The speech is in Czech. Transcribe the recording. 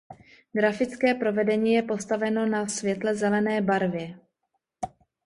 Grafické provedení je postaveno na světle zelené barvě.